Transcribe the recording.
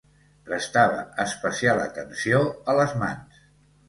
Prestava especial atenció a les mans.